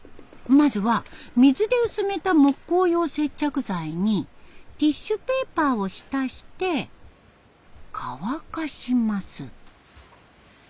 まずは水で薄めた木工用接着剤にティッシュペーパーを浸して乾かします。